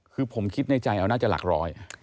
คือผมคิดในใจเอาน่าจะหลักร้อย